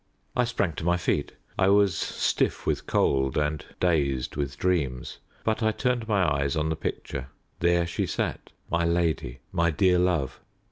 I sprang to my feet. I was stiff with cold, and dazed with dreams, but I turned my eyes on the picture. There she sat, my lady, my dear love.